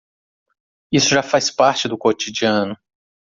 Isso já faz parte do cotidiano.